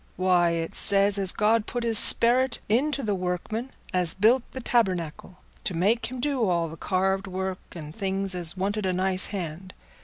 Why, it says as God put his sperrit into the workman as built the tabernacle, to make him do all the carved work and things as wanted a nice hand.